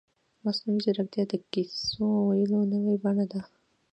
مصنوعي ځیرکتیا د کیسو ویلو نوې بڼه ده.